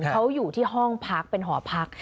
เขาอยู่ที่ห้องพักเป็นหอพัก